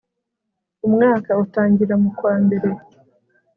umwaka utangira mukwa mbere